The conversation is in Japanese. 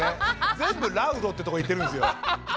全部ラウドってとこいってるんですよ。